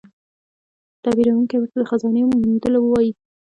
تعبیرونکی ورته د خزانې موندلو وايي.